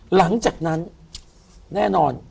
หลังจากนั้นแน่นอน